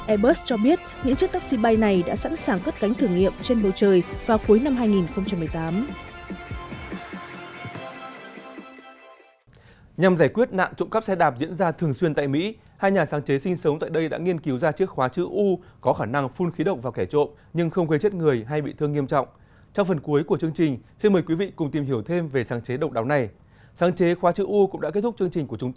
airbus cho biết những chiếc taxi bay này đã sẵn sàng cất cánh thử nghiệm trên bầu trời vào cuối năm hai nghìn một mươi tám